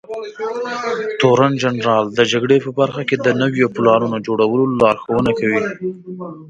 تورنجنرال د جګړې په برخه کې د نويو پلانونو جوړولو لارښونه کوي.